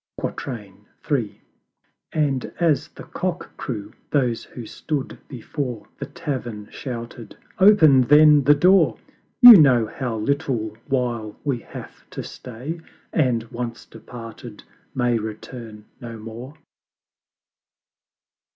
III. And, as the Cock crew, those who stood before The Tavern shouted "Open then the Door! "You know how little while we have to stay, And, once departed, may return no more."